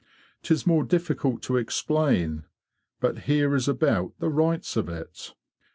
'Tis more difficult to explain, but here is about the rights of it.